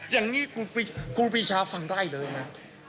อย่างนี้ครูปีชาฟังได้เลยนะ